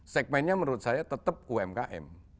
segmennya menurut saya tetap umkm